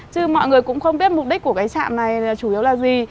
chứ mọi người cũng không biết mục đích của cái trạm này là chủ yếu là gì